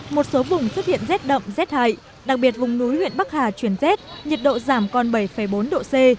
một số vùng xuất hiện z đậm z hại đặc biệt vùng núi huyện bắc hà chuyển z nhiệt độ giảm còn bảy bốn độ c